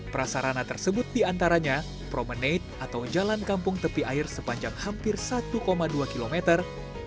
prasarana tersebut diantaranya promenate atau jalan kampung tepi air sepanjang hampir satu dua kilometer